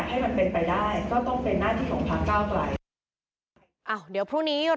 การสอบส่วนแล้วนะ